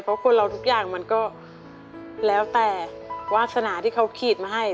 เพราะคนเราทุกอย่างมันก็แล้วแต่วาสนาที่เขาขีดมาให้